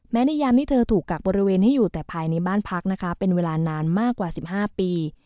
ในยามที่เธอถูกกักบริเวณให้อยู่แต่ภายในบ้านพักนะคะเป็นเวลานานมากกว่า๑๕ปี